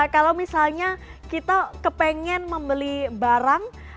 kalau misalnya kita kepengen membeli barang